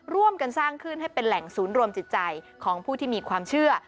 ร่วมกันสร้างขึ้นให้เป็นแหล่งศูนย์รวมจิตใจของผู้ที่มีความเชื่อ